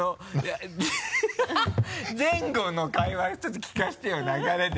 前後の会話ちょっと聞かせてよ流れで。